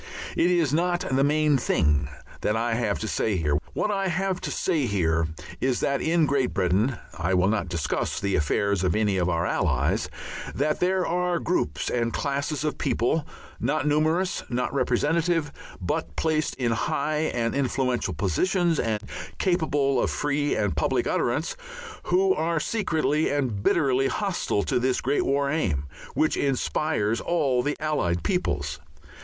It is not the main thing that I have to say here. What I have to say here is that in Great Britain I will not discuss the affairs of any of our Allies there are groups and classes of people, not numerous, not representative, but placed in high and influential positions and capable of free and public utterance, who are secretly and bitterly hostile to this great War Aim, which inspires all the Allied peoples.